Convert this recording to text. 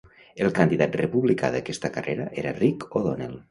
El candidat republicà d'aquesta carrera era Rick O'Donnell.